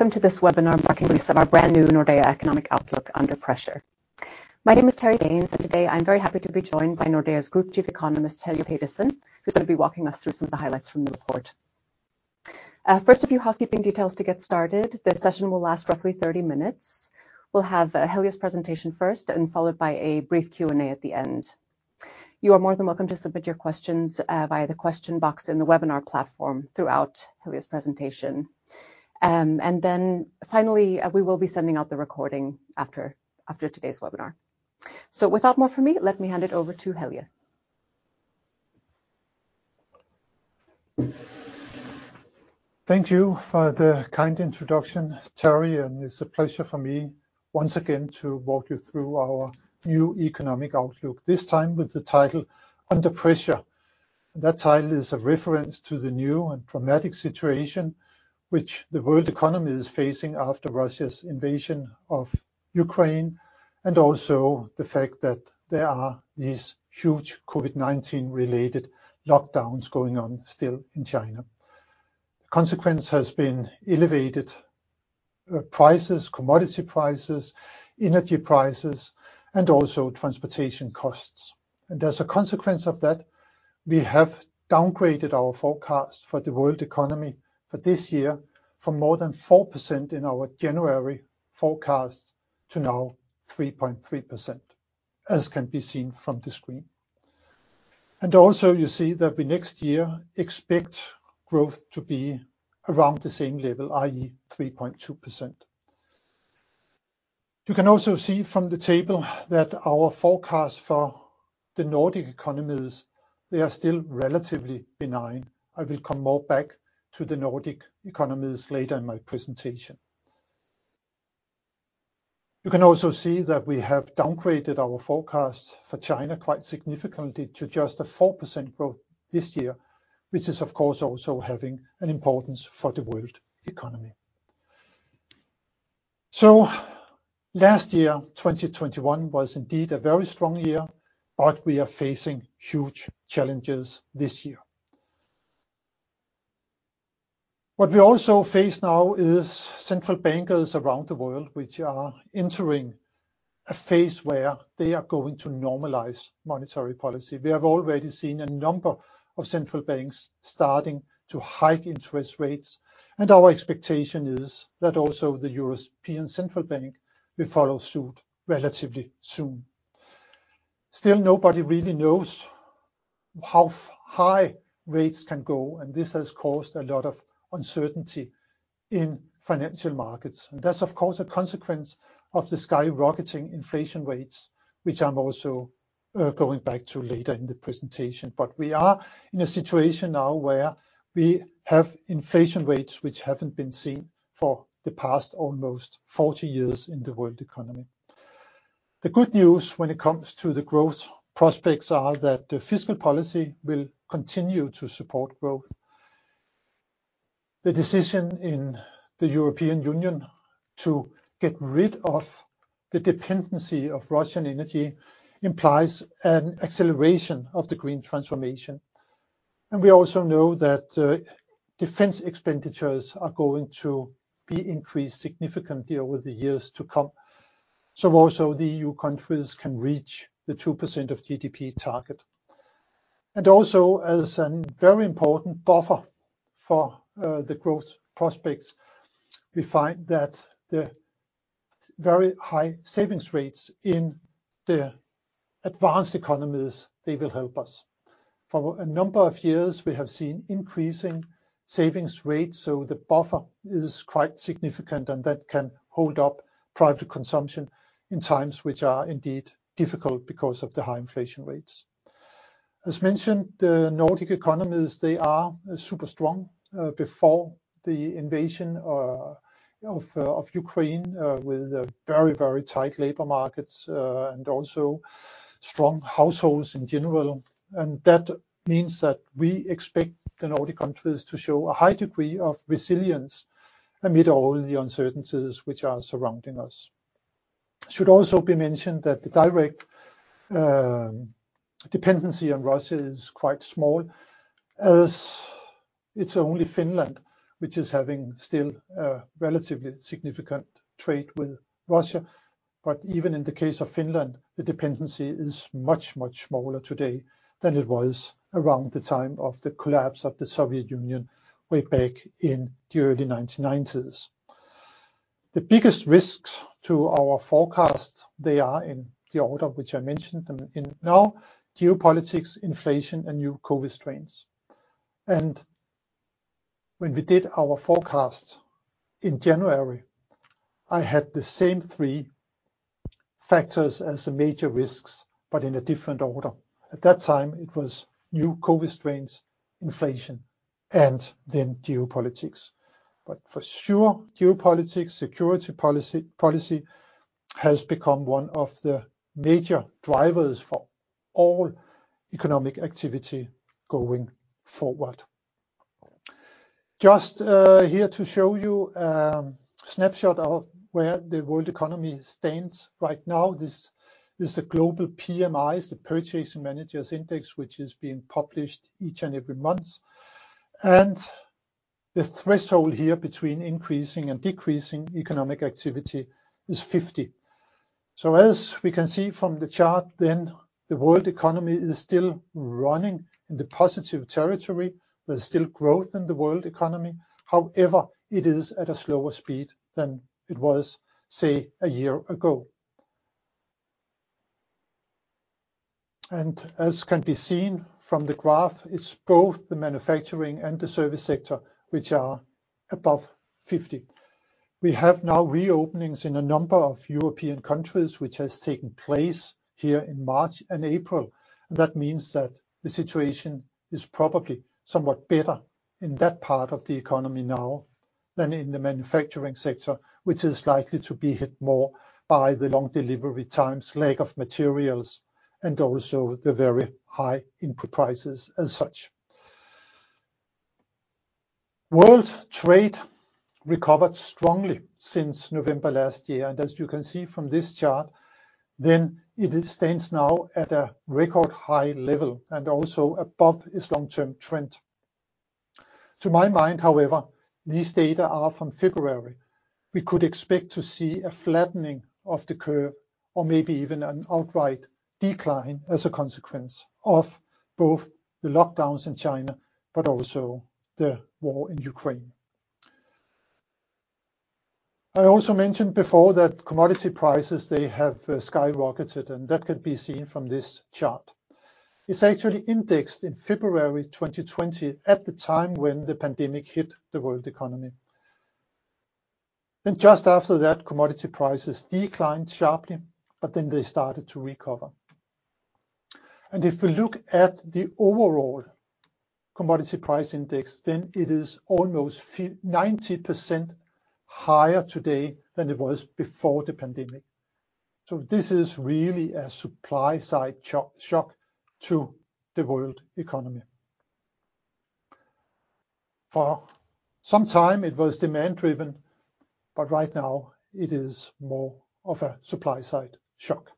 Welcome to this webinar marking release of our brand new Nordea Economic Outlook Under Pressure. My name is Terry Gaines, and today I'm very happy to be joined by Nordea's Group Chief Economist, Helge Pedersen, who's gonna be walking us through some of the highlights from the report. First, a few housekeeping details to get started. The session will last roughly 30 minutes. We'll have Helge's presentation first and followed by a brief Q&A at the end. You are more than welcome to submit your questions via the question box in the webinar platform throughout Helge's presentation. And then finally, we will be sending out the recording after today's webinar. Without more from me, let me hand it over to Helge. Thank you for the kind introduction, Terry, and it's a pleasure for me once again to walk you through our new economic outlook, this time with the title Under Pressure. That title is a reference to the new and dramatic situation which the world economy is facing after Russia's invasion of Ukraine, and also the fact that there are these huge COVID-19-related lockdowns going on still in China. The consequence has been elevated prices, commodity prices, energy prices, and also transportation costs. As a consequence of that, we have downgraded our forecast for the world economy for this year from more than 4% in our January forecast to now 3.3%, as can be seen from the screen. Also you see that we next year expect growth to be around the same level, i.e., 3.2%. You can also see from the table that our forecast for the Nordic economies, they are still relatively benign. I will come more back to the Nordic economies later in my presentation. You can also see that we have downgraded our forecast for China quite significantly to just a 4% growth this year, which is, of course, also having an importance for the world economy. Last year, 2021, was indeed a very strong year, but we are facing huge challenges this year. What we also face now is central bankers around the world which are entering a phase where they are going to normalize monetary policy. We have already seen a number of central banks starting to hike interest rates, and our expectation is that also the European Central Bank will follow suit relatively soon. Still, nobody really knows how high rates can go, and this has caused a lot of uncertainty in financial markets. That's of course a consequence of the skyrocketing inflation rates, which I'm also going back to later in the presentation. We are in a situation now where we have inflation rates which haven't been seen for the past almost 40 years in the world economy. The good news when it comes to the growth prospects are that the fiscal policy will continue to support growth. The decision in the European Union to get rid of the dependency on Russian energy implies an acceleration of the green transformation. We also know that defense expenditures are going to be increased significantly over the years to come, so also the EU countries can reach the 2% of GDP target. Also as a very important buffer for the growth prospects, we find that the very high savings rates in the advanced economies, they will help us. For a number of years, we have seen increasing savings rates, so the buffer is quite significant and that can hold up private consumption in times which are indeed difficult because of the high inflation rates. As mentioned, the Nordic economies, they are super strong before the invasion, you know, of Ukraine with very, very tight labor markets and also strong households in general. That means that we expect the Nordic countries to show a high degree of resilience amid all the uncertainties which are surrounding us. Should also be mentioned that the direct dependency on Russia is quite small as it's only Finland which is having still a relatively significant trade with Russia. Even in the case of Finland, the dependency is much, much smaller today than it was around the time of the collapse of the Soviet Union way back in the early 1990s. The biggest risks to our forecast, they are in the order which I mentioned them in now, geopolitics, inflation, and new COVID strains. When we did our forecast in January, I had the same three factors as the major risks, but in a different order. At that time, it was new COVID strains, inflation, and then geopolitics. For sure, geopolitics, security policy has become one of the major drivers for all economic activity going forward. Just here to show you snapshot of where the world economy stands right now. This is the global PMIs, the Purchasing Managers' Index, which is being published each and every month. The threshold here between increasing and decreasing economic activity is 50. As we can see from the chart then, the world economy is still running in the positive territory. There's still growth in the world economy. However, it is at a slower speed than it was, say, a year ago. As can be seen from the graph, it's both the manufacturing and the service sector which are above 50. We have now reopenings in a number of European countries, which has taken place here in March and April. That means that the situation is probably somewhat better in that part of the economy now than in the manufacturing sector, which is likely to be hit more by the long delivery times, lack of materials, and also the very high input prices as such. World trade recovered strongly since November last year. As you can see from this chart, then it stands now at a record high level and also above its long-term trend. To my mind, however, these data are from February. We could expect to see a flattening of the curve or maybe even an outright decline as a consequence of both the lockdowns in China, but also the war in Ukraine. I also mentioned before that commodity prices, they have skyrocketed, and that can be seen from this chart. It's actually indexed in February 2020, at the time when the pandemic hit the world economy. Just after that, commodity prices declined sharply, but then they started to recover. If we look at the overall commodity price index, then it is almost ninety percent higher today than it was before the pandemic. This is really a supply-side shock to the world economy. For some time it was demand-driven, but right now it is more of a supply-side shock.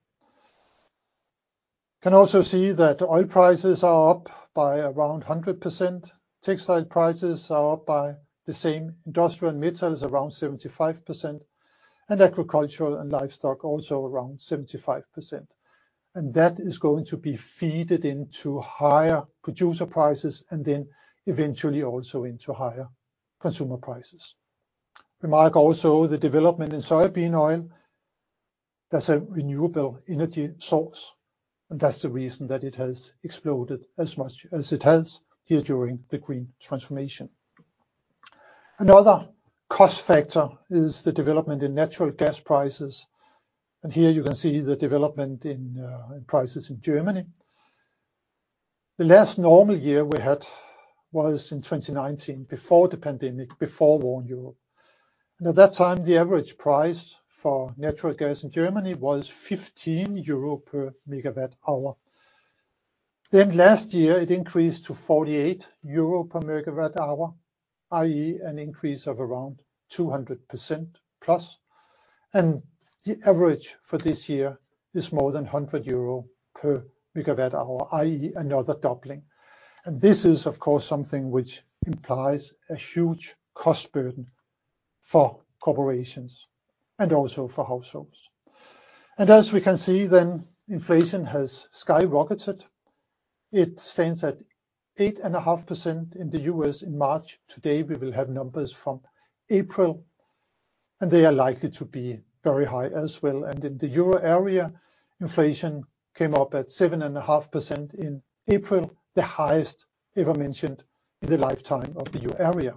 Can also see that oil prices are up by around 100%. Textile prices are up by the same. Industrial metals around 75%, and agricultural and livestock also around 75%. That is going to be fed into higher producer prices and then eventually also into higher consumer prices. Remark also the development in soybean oil. That's a renewable energy source, and that's the reason that it has exploded as much as it has here during the green transformation. Another cost factor is the development in natural gas prices, and here you can see the development in prices in Germany. The last normal year we had was in 2019, before the pandemic, before war in Europe. At that time, the average price for natural gas in Germany was 15 euro per megawatt hour. Last year, it increased to 48 euro per megawatt hour, i.e. an increase of around 200% plus. The average for this year is more than 100 euro per megawatt hour, i.e. another doubling. This is, of course, something which implies a huge cost burden for corporations and also for households. As we can see then, inflation has skyrocketed. It stands at 8.5% in the US in March. Today, we will have numbers from April, and they are likely to be very high as well. In the Euro area, inflation came up at 7.5% in April, the highest ever mentioned in the lifetime of the Euro area.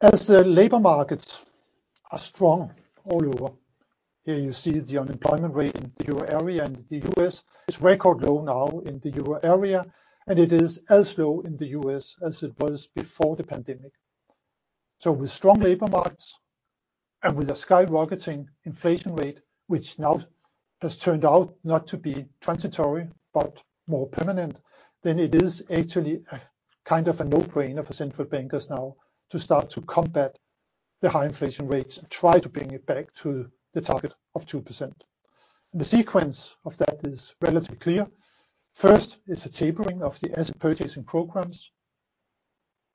The labor markets are strong all over. Here you see the unemployment rate in the Euro area and the U.S. It's record low now in the Euro area, and it is as low in the U.S. as it was before the pandemic. With strong labor markets and with a skyrocketing inflation rate, which now has turned out not to be transitory, but more permanent, then it is actually a kind of a no-brainer for central bankers now to start to combat the high inflation rates and try to bring it back to the target of 2%. The sequence of that is relatively clear. First is the tapering of the asset purchasing programs.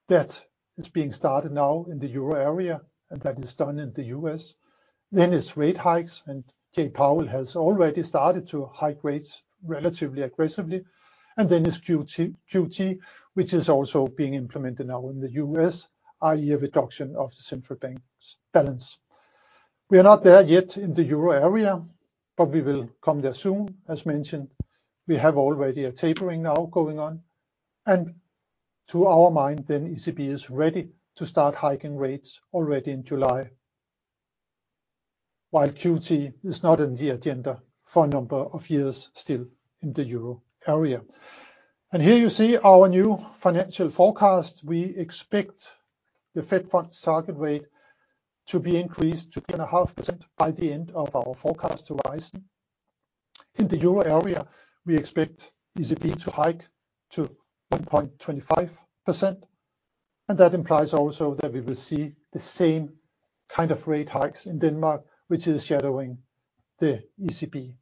That is being started now in the euro area, and that is done in the U.S. It's rate hikes, and Jay Powell has already started to hike rates relatively aggressively. It's QT, which is also being implemented now in the U.S., i.e., a reduction of the central bank's balance. We are not there yet in the euro area, but we will come there soon, as mentioned. We have already a tapering now going on. To our mind then, ECB is ready to start hiking rates already in July. While QT is not in the agenda for a number of years still in the euro area. Here you see our new financial forecast. We expect the Fed funds target rate to be increased to 3.5% by the end of our forecast horizon. In the Euro area, we expect ECB to hike to 1.25%. That implies also that we will see the same kind of rate hikes in Denmark, which is shadowing the ECB.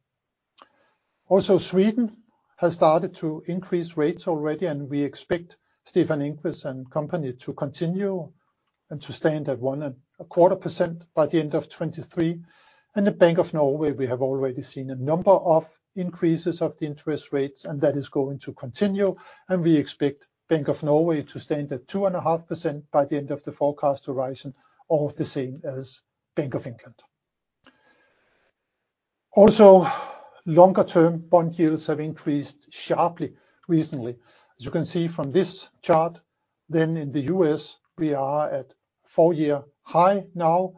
Also, Sweden has started to increase rates already, and we expect Stefan Ingves and company to continue and to stand at 1.25% by the end of 2023. In Norges Bank, we have already seen a number of increases of the interest rates, and that is going to continue, and we expect Norges Bank to stand at 2.5% by the end of the forecast horizon, or the same as Bank of England. Also, longer-term bond yields have increased sharply recently. As you can see from this chart, then in the U.S. we are at four-year high now,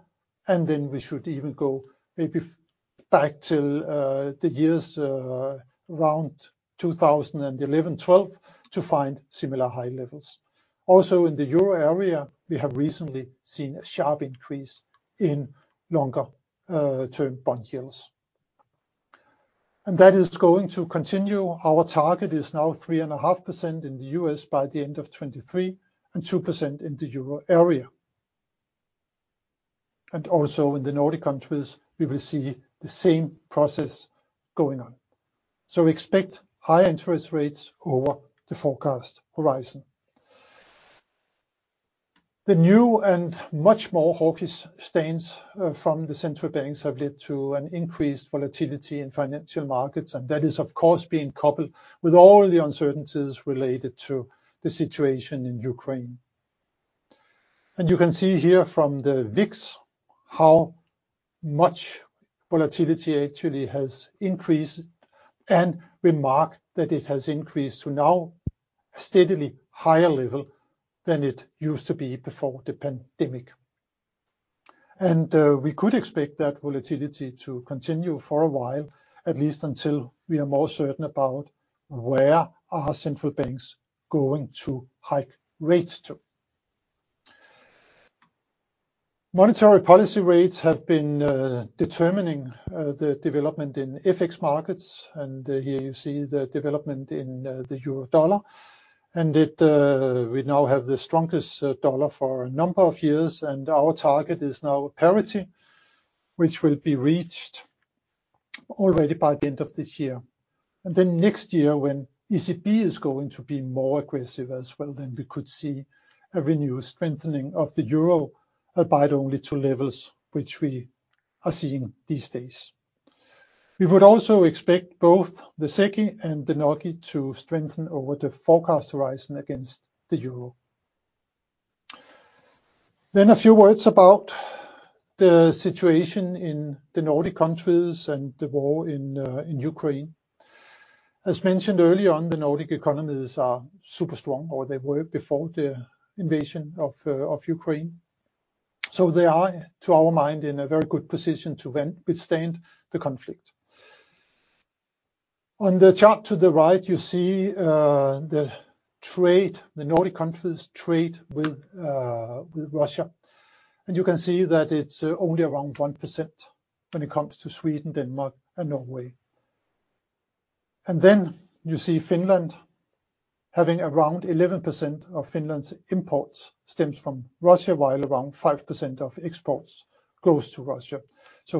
and then we should even go maybe five back to the years around 2011, 2012, to find similar high levels. Also, in the Euro area, we have recently seen a sharp increase in longer term bond yields. That is going to continue. Our target is now 3.5% in the U.S. by the end of 2023 and 2% in the Euro area. Also, in the Nordic countries, we will see the same process going on. Expect high interest rates over the forecast horizon. The new and much more hawkish stance from the central banks have led to an increased volatility in financial markets, and that is of course being coupled with all the uncertainties related to the situation in Ukraine. You can see here from the VIX how much volatility actually has increased. Remark that it has increased to now a steadily higher level than it used to be before the pandemic. We could expect that volatility to continue for a while, at least until we are more certain about where are central banks going to hike rates to. Monetary policy rates have been determining the development in FX markets. Here you see the development in the Euro-dollar. We now have the strongest dollar for a number of years, and our target is now parity, which will be reached already by the end of this year. Next year, when ECB is going to be more aggressive as well, then we could see a renewed strengthening of the Euro, albeit only to levels which we are seeing these days. We would also expect both the SEK and the NOK to strengthen over the forecast horizon against the Euro. A few words about the situation in the Nordic countries and the war in Ukraine. As mentioned earlier on, the Nordic economies are super strong, or they were before the invasion of Ukraine. They are, to our mind, in a very good position to withstand the conflict. On the chart to the right, you see the trade, the Nordic countries' trade with Russia. You can see that it's only around 1% when it comes to Sweden, Denmark, and Norway. You see Finland, having around 11% of Finland's imports stems from Russia, while around 5% of exports goes to Russia.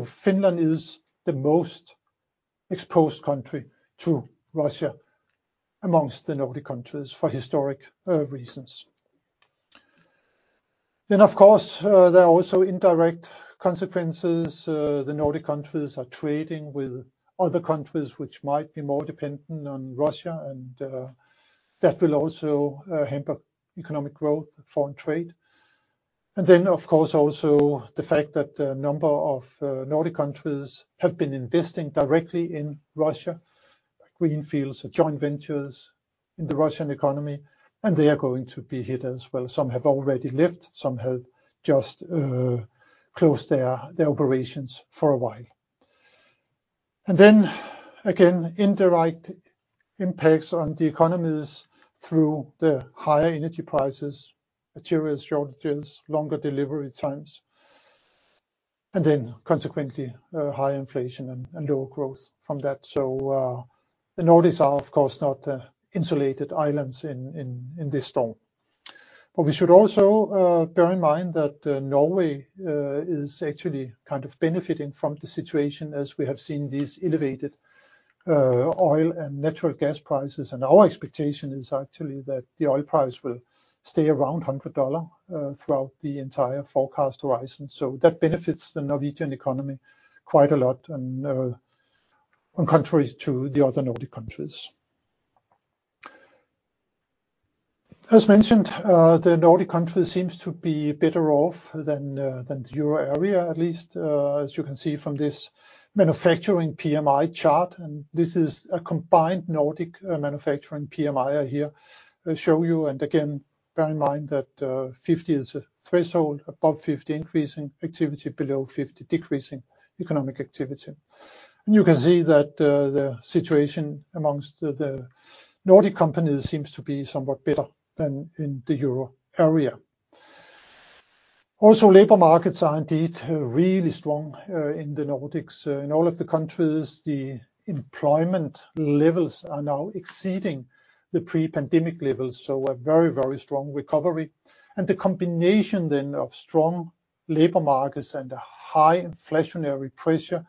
Finland is the most exposed country to Russia among the Nordic countries for historic reasons. There are also indirect consequences. The Nordic countries are trading with other countries which might be more dependent on Russia, and that will also hamper economic growth, foreign trade. Also the fact that a number of Nordic countries have been investing directly in Russia, like greenfields or joint ventures in the Russian economy, and they are going to be hit as well. Some have already left, some have just closed their operations for a while. Again, indirect impacts on the economies through the higher energy prices, materials shortages, longer delivery times, and then consequently, high inflation and lower growth from that. The Nordics are, of course, not insulated islands in this storm. We should also bear in mind that Norway is actually kind of benefiting from the situation, as we have seen these elevated oil and natural gas prices. Our expectation is actually that the oil price will stay around $100 throughout the entire forecast horizon. That benefits the Norwegian economy quite a lot and, in contrast to the other Nordic countries. As mentioned, the Nordic countries seem to be better off than the Euro area, at least, as you can see from this manufacturing PMI chart. This is a combined Nordic manufacturing PMI I here show you. Again, bear in mind that 50 is a threshold. Above 50, increasing activity. Below 50, decreasing economic activity. You can see that the situation amongst the Nordic companies seems to be somewhat better than in the Euro area. Also, labor markets are indeed really strong in the Nordics. In all of the countries, the employment levels are now exceeding the pre-pandemic levels, so a very, very strong recovery. The combination then of strong labor markets and a high inflationary pressure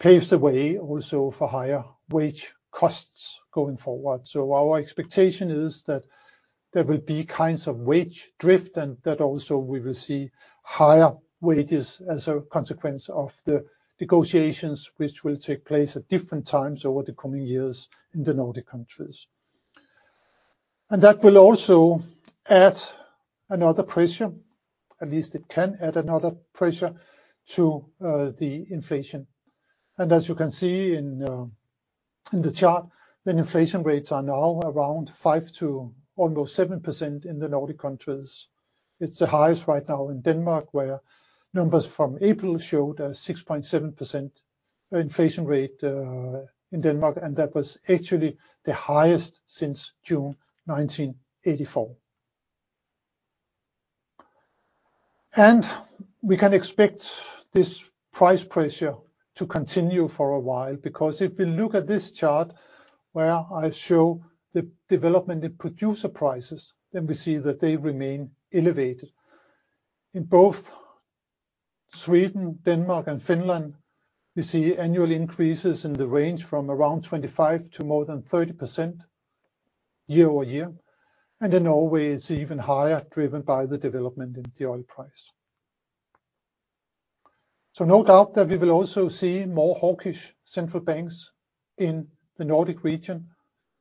paves the way also for higher wage costs going forward. Our expectation is that there will be kinds of wage drift and that also we will see higher wages as a consequence of the negotiations which will take place at different times over the coming years in the Nordic countries. That will also add another pressure, at least it can add another pressure to the inflation. As you can see in the chart, the inflation rates are now around 5 to almost 7% in the Nordic countries. It's the highest right now in Denmark, where numbers from April show the 6.7% inflation rate in Denmark, and that was actually the highest since June 1984. We can expect this price pressure to continue for a while, because if we look at this chart where I show the development in producer prices, then we see that they remain elevated. In both Sweden, Denmark and Finland, we see annual increases in the range from around 25 to more than 30% year-over-year, and in Norway it's even higher, driven by the development in the oil price. No doubt that we will also see more hawkish central banks in the Nordic region.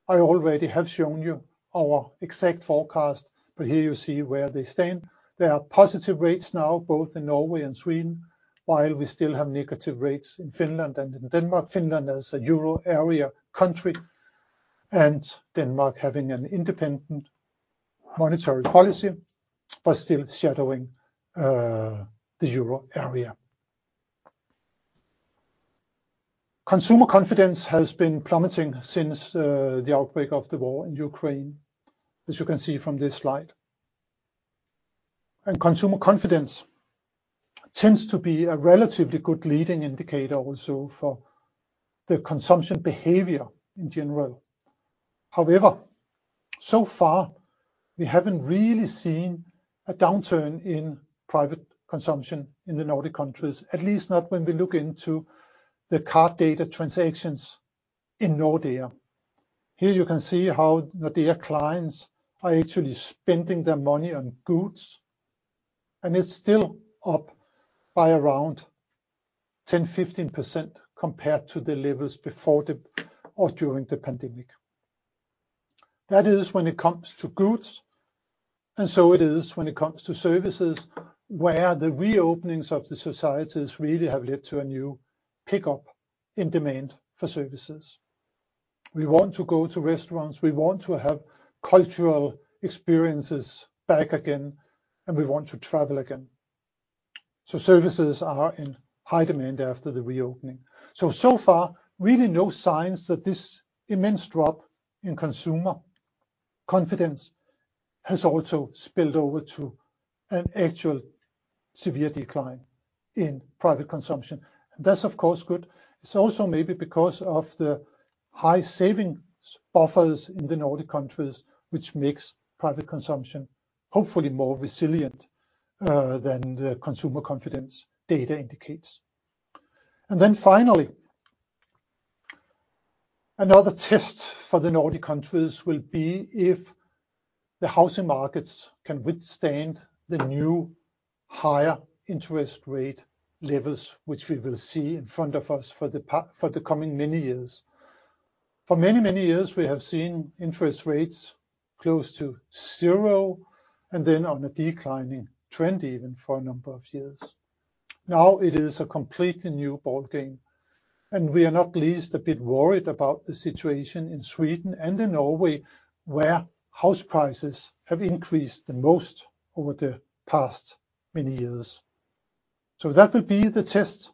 I already have shown you our exact forecast, but here you see where they stand. There are positive rates now both in Norway and Sweden, while we still have negative rates in Finland and in Denmark. Finland as a euro area country, and Denmark having an independent monetary policy, but still shadowing the euro area. Consumer confidence has been plummeting since the outbreak of the war in Ukraine, as you can see from this slide. Consumer confidence tends to be a relatively good leading indicator also for the consumption behavior in general. However, so far we haven't really seen a downturn in private consumption in the Nordic countries, at least not when we look into the card data transactions in Nordea. Here you can see how Nordea clients are actually spending their money on goods, and it's still up by around 10%-15% compared to the levels before or during the pandemic. That is when it comes to goods, and so it is when it comes to services, where the reopenings of the societies really have led to a new pickup in demand for services. We want to go to restaurants, we want to have cultural experiences back again, and we want to travel again. Services are in high demand after the reopening. so far, really no signs that this immense drop in consumer confidence has also spilled over to an actual severe decline in private consumption. That's, of course, good. It's also maybe because of the high savings buffers in the Nordic countries, which makes private consumption hopefully more resilient than the consumer confidence data indicates. Then finally, another test for the Nordic countries will be if the housing markets can withstand the new higher interest rate levels, which we will see in front of us for the coming many years. For many, many years, we have seen interest rates close to zero and then on a declining trend even for a number of years. Now it is a completely new ball game, and we are not least a bit worried about the situation in Sweden and in Norway, where house prices have increased the most over the past many years. That will be the test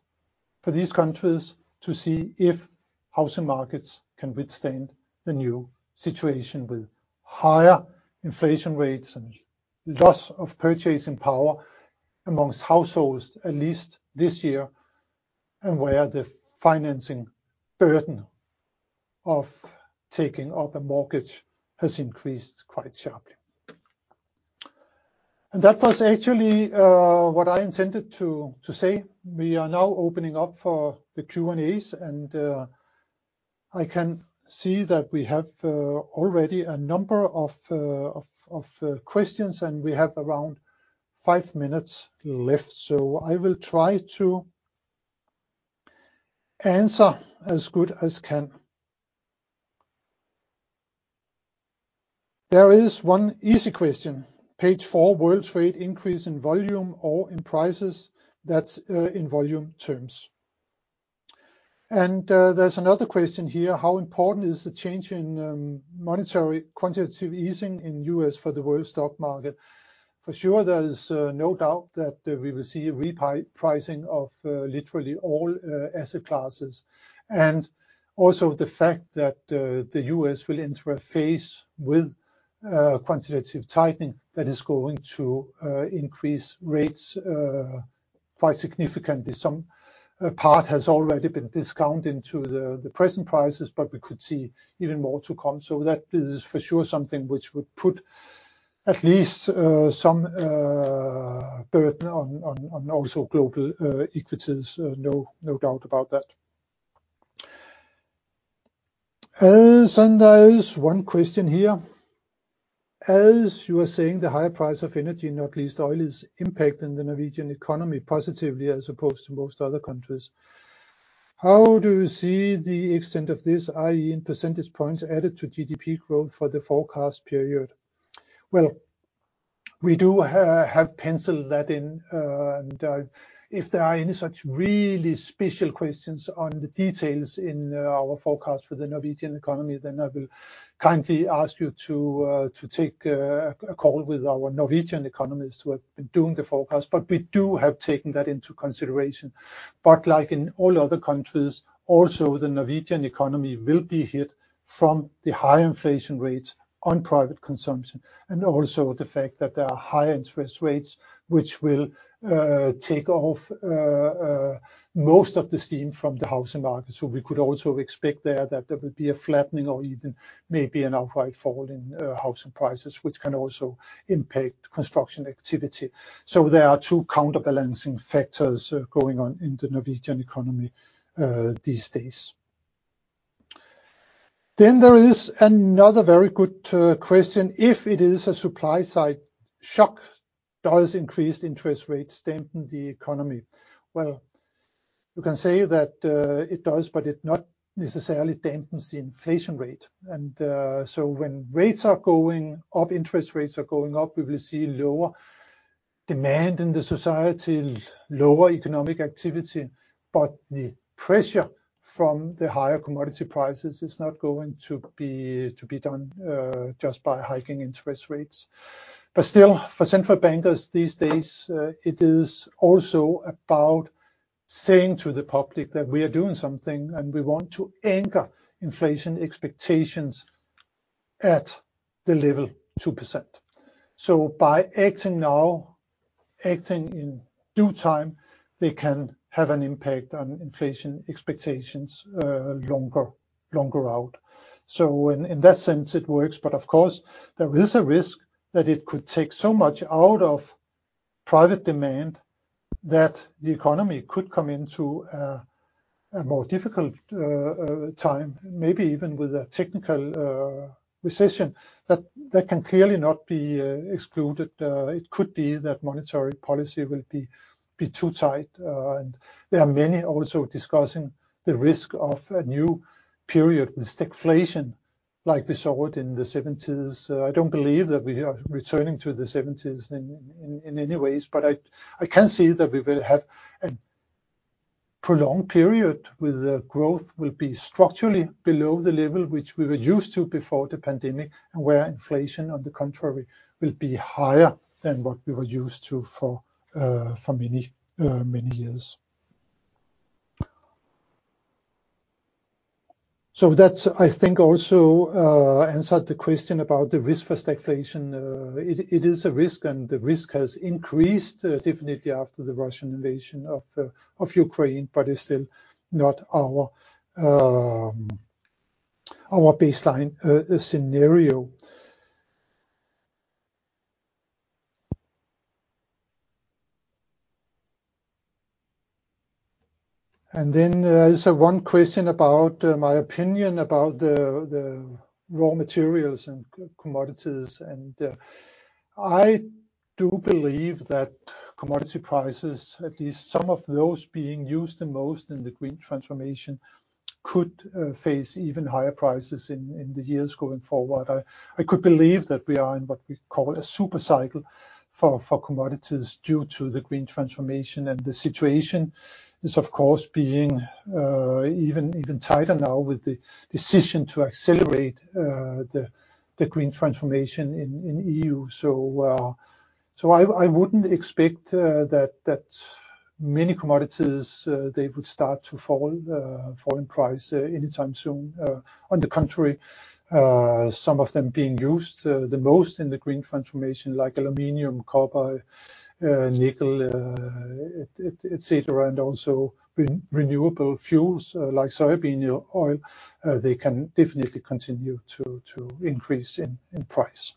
for these countries to see if housing markets can withstand the new situation with higher inflation rates and loss of purchasing power amongst households, at least this year, and where the financing burden of taking up a mortgage has increased quite sharply. That was actually what I intended to say. We are now opening up for the Q&As, and I can see that we have already a number of questions, and we have around five minutes left. I will try to answer as good as can. There is one easy question. Page four, world trade increase in volume or in prices. That's in volume terms. There's another question here. How important is the change in monetary quantitative easing in U.S. for the world stock market? For sure, there is no doubt that we will see a repricing of literally all asset classes. Also the fact that the U.S. will enter a phase with quantitative tightening that is going to increase rates quite significantly. Some part has already been discounted into the present prices, but we could see even more to come. That is for sure something which would put at least some burden on also global equities. No doubt about that. Then there is one question here: As you are saying the high price of energy, not least oil, is impacting the Norwegian economy positively as opposed to most other countries, how do you see the extent of this, i.e., in percentage points added to GDP growth for the forecast period? Well, we do have penciled that in. If there are any such really special questions on the details in our forecast for the Norwegian economy, then I will kindly ask you to take a call with our Norwegian economists who have been doing the forecast. We do have taken that into consideration. Like in all other countries, also the Norwegian economy will be hit from the high inflation rates on private consumption and also the fact that there are high interest rates which will take off most of the steam from the housing market. We could also expect there that there would be a flattening or even maybe an outright fall in housing prices, which can also impact construction activity. There are two counterbalancing factors going on in the Norwegian economy these days. There is another very good question. If it is a supply-side shock, does increased interest rates dampen the economy? Well, you can say that, it does, but it not necessarily dampens the inflation rate. When rates are going up, interest rates are going up, we will see lower demand in the society, lower economic activity, but the pressure from the higher commodity prices is not going to be undone just by hiking interest rates. Still, for central bankers these days, it is also about saying to the public that we are doing something, and we want to anchor inflation expectations at the level 2%. By acting now, acting in due time, they can have an impact on inflation expectations longer out. In that sense, it works. Of course, there is a risk that it could take so much out of private demand that the economy could come into a more difficult time, maybe even with a technical recession, that can clearly not be excluded. It could be that monetary policy will be too tight. There are many also discussing the risk of a new period with stagflation like we saw it in the seventies. I don't believe that we are returning to the seventies in any ways, but I can see that we will have a prolonged period with growth will be structurally below the level which we were used to before the pandemic, and where inflation, on the contrary, will be higher than what we were used to for many years. That, I think, also answered the question about the risk for stagflation. It is a risk, and the risk has increased definitely after the Russian invasion of Ukraine, but it's still not our baseline scenario. There is one question about my opinion about the raw materials and commodities. I do believe that commodity prices, at least some of those being used the most in the green transformation, could face even higher prices in the years going forward. I could believe that we are in what we call a super cycle for commodities due to the green transformation. The situation is, of course, being even tighter now with the decision to accelerate the green transformation in EU. I wouldn't expect that many commodities they would start to fall in price anytime soon. On the contrary, some of them being used the most in the green transformation, like aluminum, copper, nickel, et cetera, and also renewable fuels, like soybean oil, they can definitely continue to increase in price.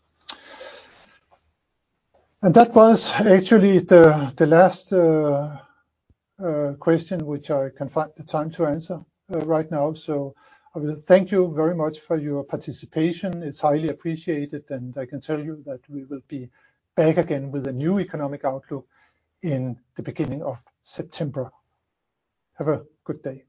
That was actually the last question which I can find the time to answer right now. I will thank you very much for your participation. It's highly appreciated. I can tell you that we will be back again with a new economic outlook in the beginning of September. Have a good day.